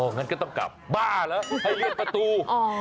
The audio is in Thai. งั้นก็ต้องกลับบ้าเหรอให้เลื่อนประตู